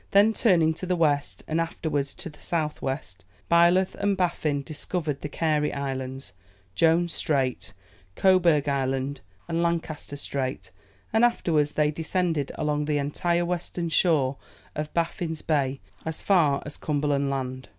Then turning to the west, and afterwards to the south west, Byleth and Baffin discovered the Carey Islands, Jones Strait, Coburg Island, and Lancaster Strait, and afterwards they descended along the entire western shore of Baffin's Bay as far as Cumberland Land.